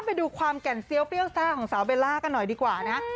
ไปดูความแก่นเซียวเปรี้ยวซ่าของสาวเบลล่ากันหน่อยดีกว่านะฮะ